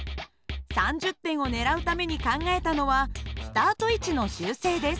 ３０点を狙うために考えたのはスタート位置の修正です。